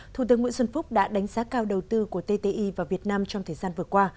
thủ tướng nguyễn xuân phúc đã đánh giá cao đầu tư của tti vào việt nam trong thời gian vừa qua